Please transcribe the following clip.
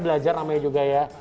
belajar ramai juga ya